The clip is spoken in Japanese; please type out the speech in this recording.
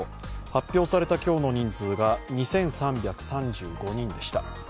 発表された今日の人数が２３３５人でした。